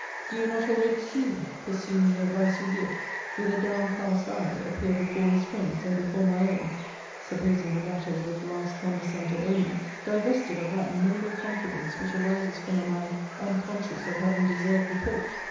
'Do you not already see me (pursuing the advice you give) with a downcast eye, appear before his friends, and before my own, (supposing the latter would at last condescend to own me,) divested of that noble confidence which arises from a mind unconscious of having deserved reproach?